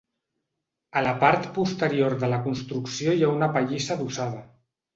A la part posterior de la construcció hi ha una pallissa adossada.